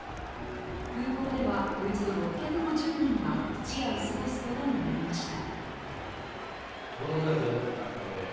空港では、およそ６５０人が一夜を過ごすことになりました。